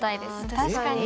確かに。